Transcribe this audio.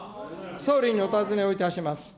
総理にお尋ねをいたします。